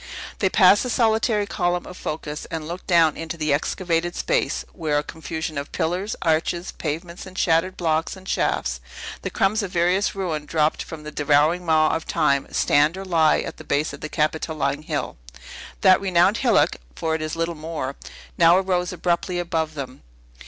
They passed the solitary Column of Phocas, and looked down into the excavated space, where a confusion of pillars, arches, pavements, and shattered blocks and shafts the crumbs of various ruin dropped from the devouring maw of Time stand, or lie, at the base of the Capitoline Hill. That renowned hillock (for it is little more) now arose abruptly above them.